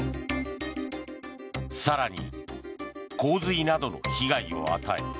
更に、洪水などの被害を与え